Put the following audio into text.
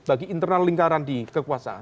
bagi internal lingkaran di kekuasaan